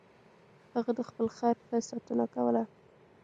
هغه د خپل خر ښه ساتنه کوله.